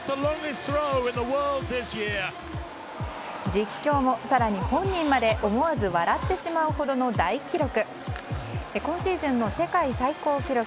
実況も、更に本人まで思わず笑ってしまうほどの大記録。